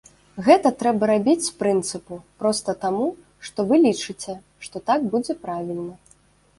Гэта трэба рабіць з прынцыпу, проста таму, што вы лічыце, што так будзе правільна.